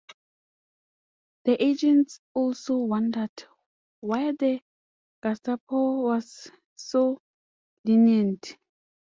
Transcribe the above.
The agents also wondered why the Gestapo was so lenient.